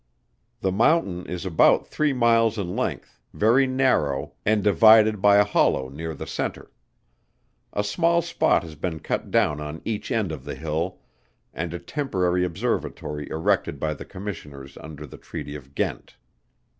The Mountain is about three miles in length, very narrow, and divided by a hollow near the centre. A small spot has been cut down on each end of the hill, and a temporary observatory erected by the Commissioners under the treaty of Ghent.